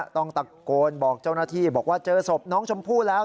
ต้องตะโกนบอกเจ้าหน้าที่บอกว่าเจอศพน้องชมพู่แล้ว